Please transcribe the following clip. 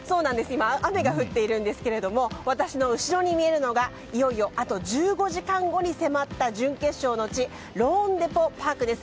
今、雨が降っているんですが私の後ろに見えるのがいよいよあと１５時間後に迫った準決勝の地ローンデポ・パークです。